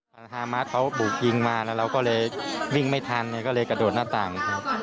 ฐานธรรมะเขาบุกยิงมาเราก็เลยวิ่งไม่ทันก็เลยกระโดดหน้าต่าง